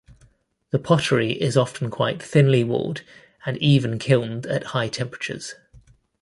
The pottery is often quite thinly walled and even kilned at high temperatures.